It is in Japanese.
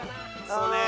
そうね。